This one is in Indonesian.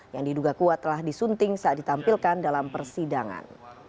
yang diduga kuat telah disunting saat ditampilkan dalam persidangan